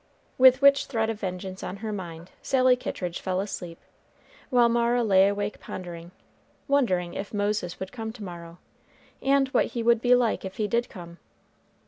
With which threat of vengeance on her mind Sally Kittridge fell asleep, while Mara lay awake pondering, wondering if Moses would come to morrow, and what he would be like if he did come.